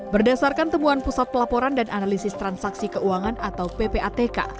berdasarkan temuan pusat pelaporan dan analisis transaksi keuangan atau ppatk